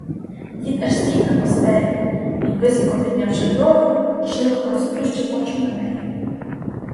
Дід аж сів на постелі і, високо піднявши брови, широко розплющив очі на неї.